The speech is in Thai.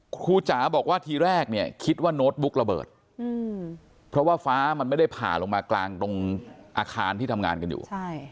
จ๋าบอกว่าทีแรกเนี่ยคิดว่าโน้ตบุ๊กระเบิดเพราะว่าฟ้ามันไม่ได้ผ่าลงมากลางตรงอาคารที่ทำงานกันอยู่